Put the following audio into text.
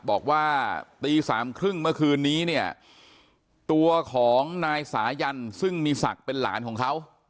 บอกว่าตีสามครึ่งเมื่อคืนนี้เนี่ยตัวของนายสายันซึ่งมีศักดิ์เป็นหลานของเขา